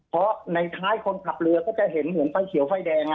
เพราะในท้ายคนขับเรือก็จะเห็นเหมือนไฟเขียวไฟแดง